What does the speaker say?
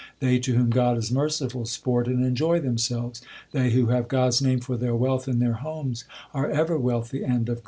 They to whom God is merciful sport and enjoy themselves. They who have God s name for their wealth in their homes are ever wealthy and of good report.